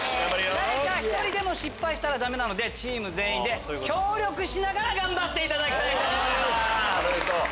誰か１人でも失敗したらダメなのでチーム全員で協力しながら頑張っていただきたいと思います。